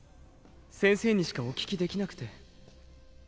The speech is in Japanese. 先生にしかお聞きできなくて